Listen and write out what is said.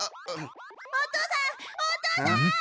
おとさんおとさん！